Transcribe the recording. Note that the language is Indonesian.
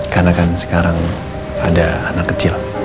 karena kan sekarang ada anak kecil